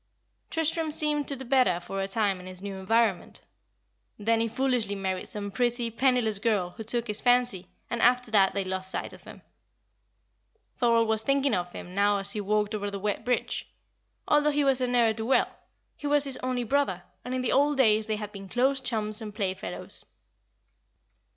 Tristram seemed to do better for a time in his new environment. Then he foolishly married some pretty, penniless girl who took his fancy, and after that they lost sight of him. Thorold was thinking of him now as he walked over the wet bridge; although he was a ne'er do well, he was his only brother, and in the old days they had been close chums and playfellows.